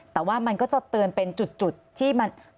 แต่ว่ามันก็จะเตือนเป็นจุดที่มัน